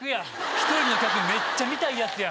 １人の客めっちゃ見たいヤツや。